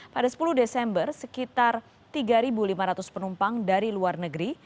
pada sepuluh desember sekitar tiga lima ratus penumpang dari luar negeri